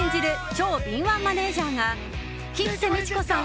超敏腕マネジャーが吉瀬美智子さん